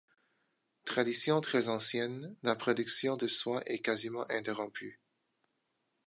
Tradition très ancienne, la production de soie est quasiment interrompue.